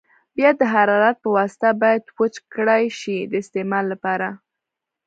بیا د حرارت په واسطه باید وچ کړای شي د استعمال لپاره.